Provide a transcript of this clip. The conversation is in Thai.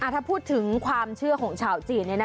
ถ้าพูดถึงความเชื่อของชาวจีน